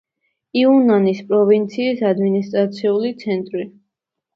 იუნანის პროვინციის ადმინისტრაციული ცენტრი.